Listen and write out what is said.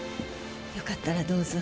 よかったらどうぞ。